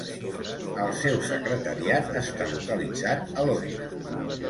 El seu secretariat està localitzat a Londres.